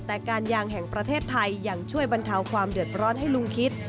แต่การยางแห่งประเทศไทยยังช่วยบรรเทาความเดือดร้อนให้ลุงคิด